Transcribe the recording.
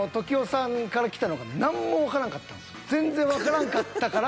俺は全然わからんかったから。